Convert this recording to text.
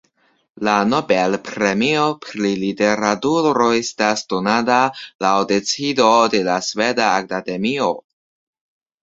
La Nobel-premio pri literaturo estas donata laŭ decido de la Sveda Akademio.